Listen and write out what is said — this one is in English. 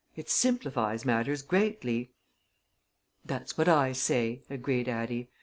"It simplifies matters greatly." "That's what I say," agreed Addie.